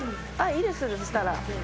いいですそしたら。